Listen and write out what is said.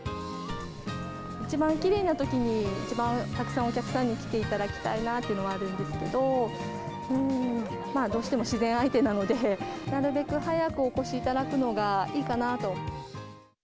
一番きれいなときに、一番たくさんお客さんに来ていただきたいなっていうのはあるんですけど、まあ、どうしても自然相手なので、なるべく早くお越しいただくのが、いいかなと。